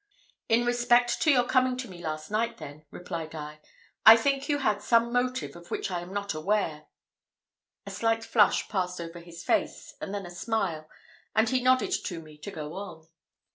"In respect to your coming to me last night, then," replied I, "I think you had some motive of which I am not aware." A slight flush passed over his face, and then a smile, and he nodded to me to go on.